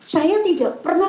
saya tidak pernah